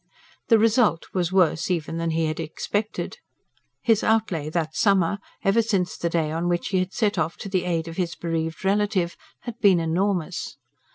The result was worse even than he had expected. His outlay that summer ever since the day on which he had set off to the aid of his bereaved relative had been enormous.